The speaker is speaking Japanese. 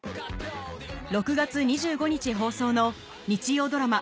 ６月２５日放送の日曜ドラマ